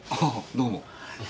どうも。